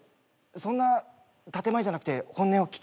そんな建前じゃなくて本音を聞きたい？